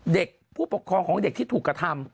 ผู้ปกครองของเด็กที่ถูกกระทำ